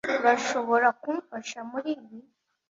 Urashobora kumfasha muri ibi?